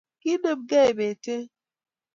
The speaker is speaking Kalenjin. kinemkei bet eng